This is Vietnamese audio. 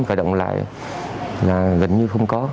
khởi động lại là vĩnh như không có